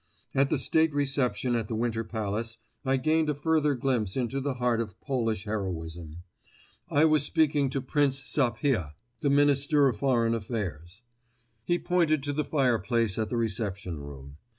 At the State Reception at the Winter Palace, I gained a further glimpse into the heart of Polish heroism. I was speaking to Prince Sapieha, the Minister of Foreign Affairs. He pointed to the fireplace of the Reception Room.